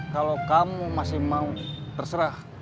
kalau kamu masih mau terserah